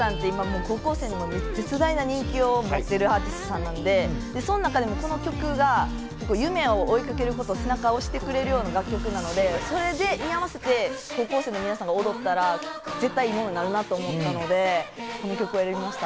ＹＯＡＳＯＢＩさんは、高校生に絶大な人気を誇るアーティストなので、この曲は夢を追いかけること、背中を押してくれるような楽曲なので、それに合わせて高校生の皆さんが踊ったら絶対合うなと思ったので、この曲を選びました。